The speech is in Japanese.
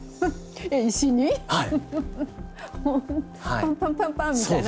パンパンパンパン！みたいな？